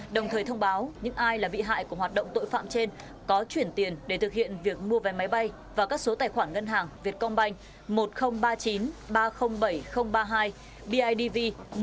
đồng thời thông báo những ai là bị hại của hoạt động tội phạm trên có chuyển tiền để thực hiện việc mua vé máy bay và các số tài khoản ngân hàng việt công banh một nghìn ba mươi chín ba trăm linh bảy nghìn ba mươi hai bidv một trăm một mươi sáu một trăm ba mươi tám nghìn ba trăm bảy mươi năm